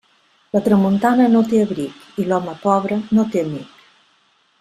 La tramuntana no té abric i l'home pobre no té amic.